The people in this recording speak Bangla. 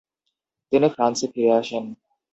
তিনি ফ্রান্সে ফিরে আসেন।